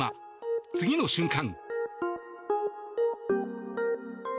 次の瞬間。